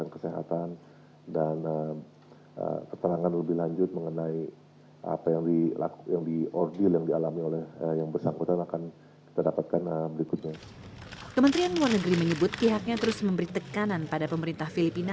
kementerian luar negeri menyebut pihaknya terus memberi tekanan pada pemerintah filipina